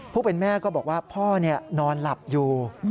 ผู้เป็นแม่ก็บอกว่าพ่อนอนหลับอยู่